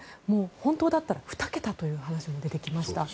本当だったら２桁という話も出てきました。